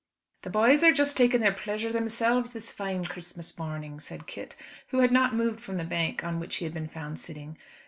"The boys are just taking their pleasure themselves this fine Christmas morning," said Kit, who had not moved from the bank on which he had been found sitting.